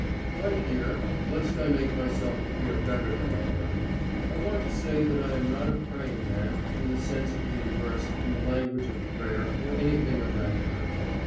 Right here, lest I make myself appear better than I am, I want to say that I am not a praying man in the sense of being versed in the language of prayer or anything of that kind.